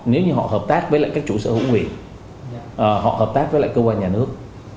nếu như họ hợp tác với các chủ sở hữu quyền họ hợp tác với cơ quan nhà nước